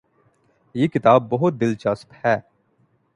یہ کتاب بہت دلچسپ ہے